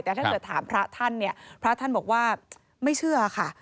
แต่ถ้าเกิดถามพระท่านเนี่ยพระท่านบอกว่าไม่เชื่อค่ะ